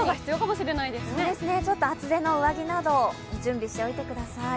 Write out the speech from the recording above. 厚手の上着など、準備しておいてください。